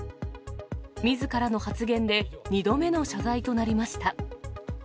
みずからの発言で、２度目の謝罪となりました。